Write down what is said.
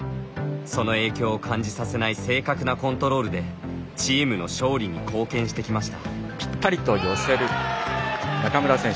その影響を感じさせない正確なコントロールでチームの勝利に貢献してきました。